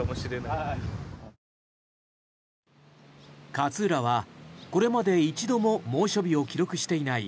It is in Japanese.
勝浦はこれまで一度も猛暑日を記録していない